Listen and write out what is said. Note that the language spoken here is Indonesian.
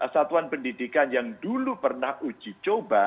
satuan pendidikan yang dulu pernah uji coba